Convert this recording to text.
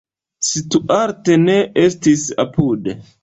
Stuart ne estis apud.